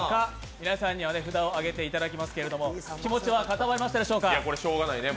皆さんには札を上げていただきますけれども、気持ちは固まりましたでしょうか？